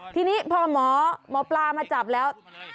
ทีนี้พอหมอหมอปลามาจับแล้ว